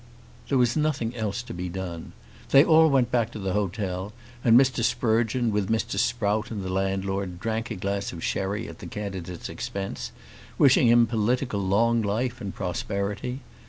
There was nothing else to be done. They all went back to the hotel, and Mr. Sprugeon with Mr. Sprout and the landlord drank a glass of sherry at the candidate's expense, wishing him political long life and prosperity.